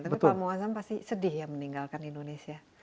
tapi pak muazzam pasti sedih ya meninggalkan indonesia